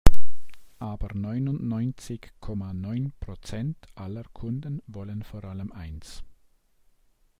Aber neunundneunzig Komma neun Prozent aller Kunden wollen vor allem eins.